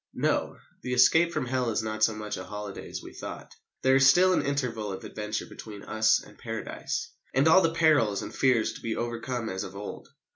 No, the escape from Hell is not so much a holiday as we thought. There is still an interval of adventure between us and Paradise, and all the perils and fears to be overcome as of old.